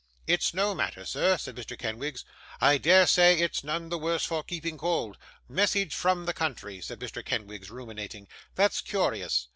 'It's no matter, sir,' said Mr. Kenwigs. 'I dare say it's none the worse for keeping cold. Message from the country!' said Mr. Kenwigs, ruminating; 'that's curious.